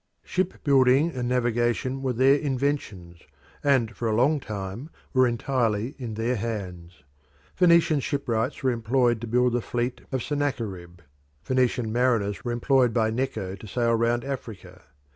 Shipbuilding and navigation were their inventions, and for a long time were entirely in their hands. Phoenician shipwrights were employed to build the fleet of Sennacherib: Phoenician mariners were employed by Necho to sail round Africa.